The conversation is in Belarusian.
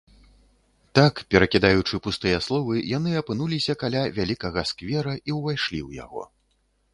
Так, перакідаючы пустыя словы, яны апынуліся каля вялікага сквера і ўвайшлі ў яго.